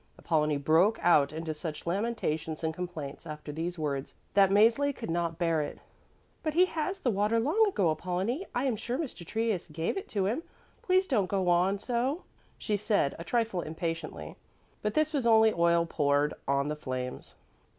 Apollonie broke out into such lamentations and complaints after these words that Mäzli could not bear it. "But he has the water long ago, Apollonie. I am sure Mr. Trius gave it to him. Please don't go on so," she said a trifle impatiently. But this was only oil poured on the flames.